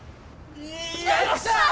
よっしゃ！